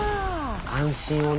安心をね。